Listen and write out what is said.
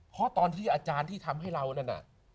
เพราะตอนที่อาจารย์ที่ทำให้เรานั่นน่ะ